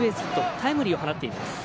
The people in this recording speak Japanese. タイムリーを放っています。